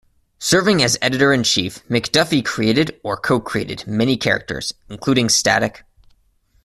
Serving as editor-in-chief, McDuffie created or co-created many characters, including Static.